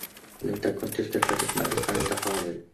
لم تكن تلك الفتاة مألوفة عند فاضل.